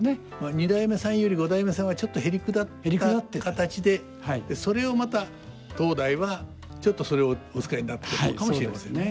二代目さんより五代目さんはちょっとへりくだった形でそれをまた当代はちょっとそれをお使いになったのかもしれませんね。